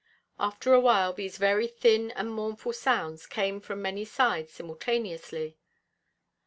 After a while these very thin and mournful sounds came from many sides simultaneously.